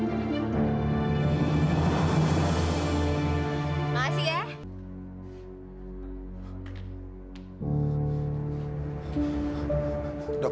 dok gimana keadaan istri saya dok